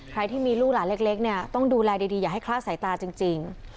ที่มีลูกหลานเล็กเนี่ยต้องดูแลดีอย่าให้คลาดสายตาจริง